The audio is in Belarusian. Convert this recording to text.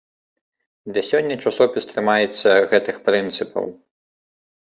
І да сёння часопіс трымаецца гэтых прынцыпаў.